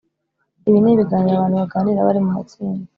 ibi ni biganiro abantu baganira bari mu matsinda